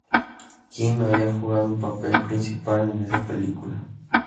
Kim había jugado un papel principal en esa película.